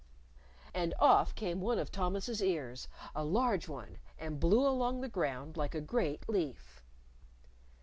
And off came one of Thomas's ears a large one and blew along the ground like a great leaf.